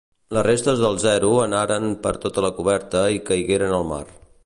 Les restes del Zero anaren per tota la coberta i caigueren al mar.